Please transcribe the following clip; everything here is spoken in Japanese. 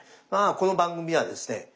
この番組はですね